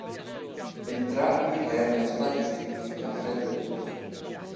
Entrambi erano stati scritti da Fred Wolf.